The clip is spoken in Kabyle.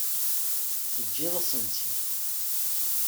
Teǧǧiḍ-asent-tt-id.